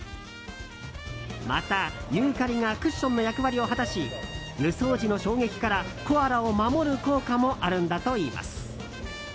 また、ユーカリがクッションの役割を果たし輸送時の衝撃からコアラを守る効果もあるのだといいます。